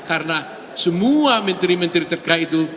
karena semua menteri menteri terkait itu